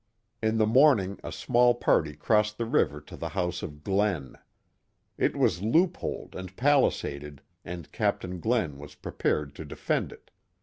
In the morning a small party crossed the river to the house of Glen. It was loopholed and palisaded, and Captain Glen was prepared to defend it.